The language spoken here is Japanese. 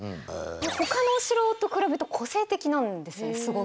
他のお城と比べて個性的なんですよねすごく。